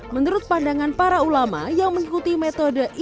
menurut pandangan para ulama yang mengikuti metode imam syafi i